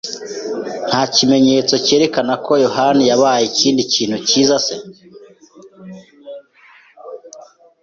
Nta kimenyetso cyerekana ko yohani yabaye ikindi kintu cyiza se.